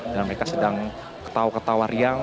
dan mereka sedang ketawa ketawa riang